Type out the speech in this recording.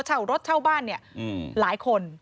เช่ารถเช่าบ้านเนี่ยหลายคน